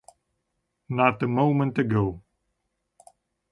Not a moment ago.